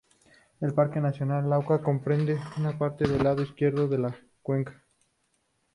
El Parque Nacional Lauca comprende una parte del lado izquierdo de la cuenca.